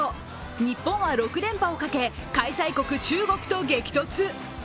日本は６連覇をかけ、開催国・中国と激突。